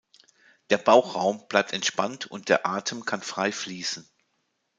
Der Bauchraum bleibt entspannt und der Atem kann frei fließen.